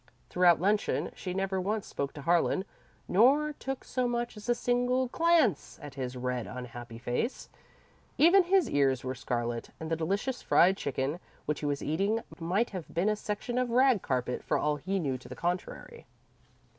Throughout luncheon, she never once spoke to Harlan, nor took so much as a single glance at his red, unhappy face. Even his ears were scarlet, and the delicious fried chicken which he was eating might have been a section of rag carpet, for all he knew to the contrary.